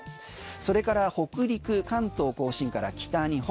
それから北陸、関東・甲信から北日本。